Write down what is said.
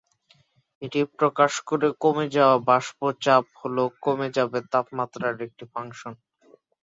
এটি প্রকাশ করে কমে যাওয়া বাষ্প চাপ হল কমে যাবে তাপমাত্রার একটি ফাংশন।